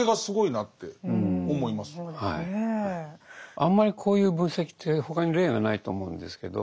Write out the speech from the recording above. あんまりこういう分析って他に例がないと思うんですけど